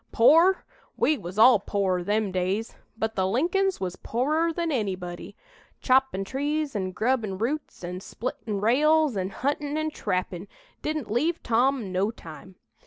"Pore? We was all pore, them days, but the Lincolns was porer than anybody. Choppin' trees an' grubbin' roots an' splittin' rails an' huntin' an' trappin' didn't leave Tom no time.